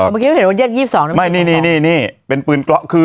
เมื่อกี้ไม่เห็นว่าแยก๒๒